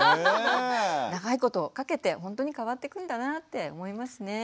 長いことかけてほんとに変わってくんだなぁって思いますね。